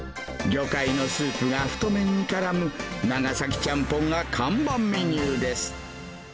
魚介のスープが太麺にからむ長崎ちゃんぽんが看板メニューです。